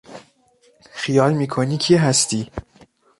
خیال میکنی کی هستی!